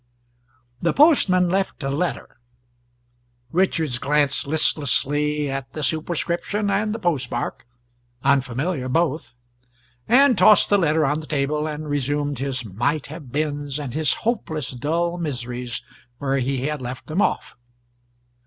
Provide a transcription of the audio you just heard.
The postman left a letter. Richards glanced listlessly at the superscription and the post mark unfamiliar, both and tossed the letter on the table and resumed his might have beens and his hopeless dull miseries where he had left them off.